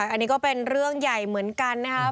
อันนี้ก็เป็นเรื่องใหญ่เหมือนกันนะครับ